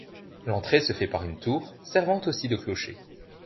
L'entrée se fait par une tour, servant aussi de clocher.